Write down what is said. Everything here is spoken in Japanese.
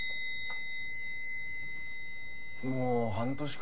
もう半年か。